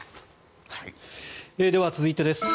では続いてです。